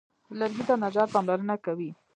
لرګي ته نجار پاملرنه کوي.